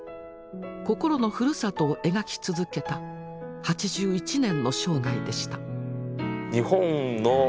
心のふるさとを描き続けた８１年の生涯でした。